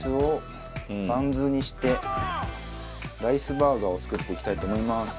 ライスバーガーを作っていきたいと思います。